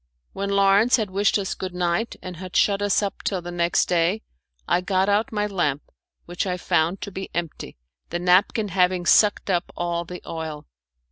When Lawrence had wished us good night and had shut us up till the next day, I got out my lamp, which I found to be empty, the napkin having sucked up all the oil.